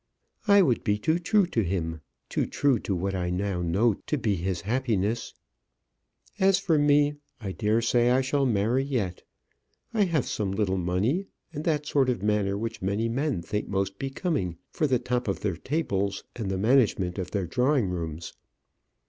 I would be too true to him, too true to what I now know to be his happiness. As for me, I dare say I shall marry yet. I have some little money, and that sort of manner which many men think most becoming for the top of their tables and the management of their drawing rooms.